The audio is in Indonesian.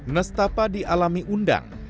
nestapa dialami undang